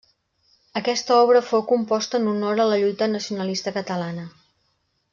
Aquesta obra fou composta en honor a la lluita nacionalista catalana.